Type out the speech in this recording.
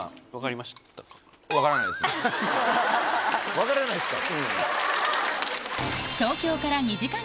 分からないですか。